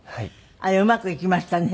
あれうまくいきましたね